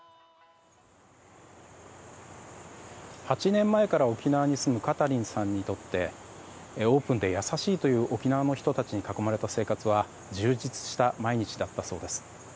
８年前から沖縄に住むカタリンさんにとってオープンで優しいという沖縄の人たちに囲まれた生活は充実した毎日だったそうです。